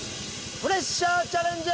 プレッシャーチャレンジ！